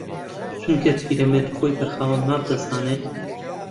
چونکە پیرەمێرد خۆی بە خاوەن ماف دەزانێت